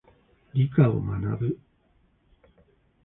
理科を学ぶ。